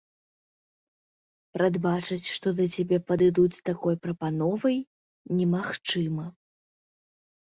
Прадбачыць, што да цябе падыдуць з такой прапановай, немагчыма.